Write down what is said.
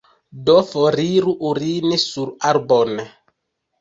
Do foriru urini sur arbon!